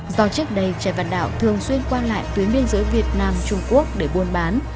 do trước đây trẻ văn đạo thường xuyên quan lại tuyến biên giới việt nam trung quốc để buôn bán